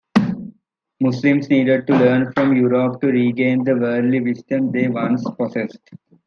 Muslims needed to learn from Europe to regain the worldly wisdom they once possessed.